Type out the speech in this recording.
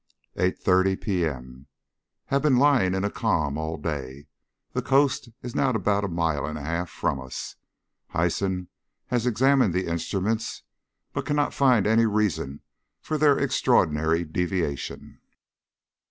8.30 P.M. Have been lying in a calm all day. The coast is now about a mile and a half from us. Hyson has examined the instruments, but cannot find any reason for their extraordinary deviation.